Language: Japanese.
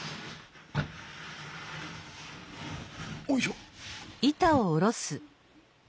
おいしょ。